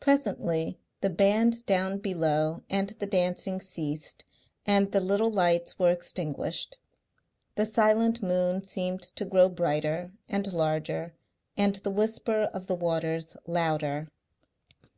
Presently the band down below and the dancing ceased and the little lights were extinguished. The silent moon seemed to grow brighter and larger and the whisper of the waters louder.